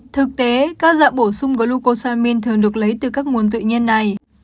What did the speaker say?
thực tế các dạng bổ sung glucosamin thường được lấy từ các nguồn tự nhiên này